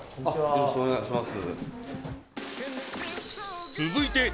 よろしくお願いします